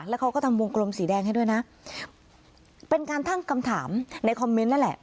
แล้วเขาก็ทำวงกลมสีแดงให้ด้วยนะเป็นการตั้งคำถามในคอมเมนต์นั่นแหละ